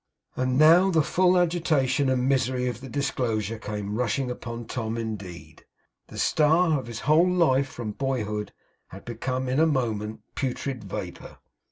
And now the full agitation and misery of the disclosure came rushing upon Tom indeed. The star of his whole life from boyhood had become, in a moment, putrid vapour.